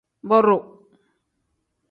Boduu.